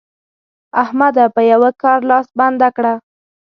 احمده! په یوه کار لاس بنده کړه.